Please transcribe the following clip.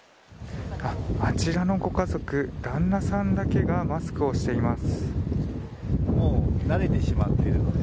あちらのご家族旦那さんだけがマスクをしています。